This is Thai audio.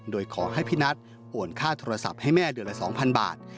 โดยขอให้พี่นัทโอนค่าโทรศัพท์ให้แม่เดือนละ๒๐๐บาท